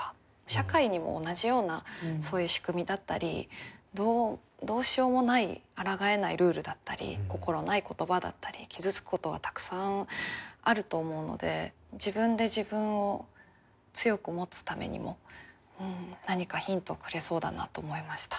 社会にも同じようなそういう仕組みだったりどうしようもないあらがえないルールだったり心ない言葉だったり傷つくことはたくさんあると思うので自分で自分を強く持つためにも何かヒントをくれそうだなと思いました。